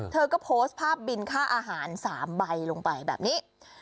เธอก็โพสต์ภาพบินค่าอาหาร๓ใบลงไปแบบนี้